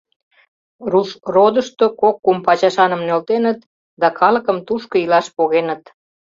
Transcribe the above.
Рушродышто кок-кум пачашаным нӧлтеныт, да калыкым тушко илаш погеныт.